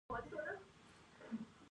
افغانستان د ښارونه په اړه علمي څېړنې لري.